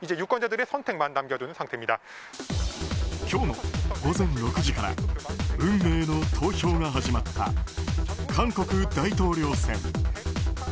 今日の午前６時から運命の投票が始まった韓国大統領選。